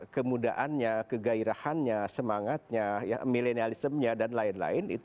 kemudaannya kegairahannya semangatnya milenialismnya dan lain lain